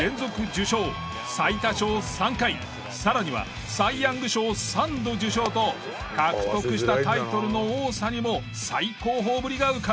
最多勝３回更にはサイ・ヤング賞を３度受賞と獲得したタイトルの多さにも最高峰ぶりが伺える。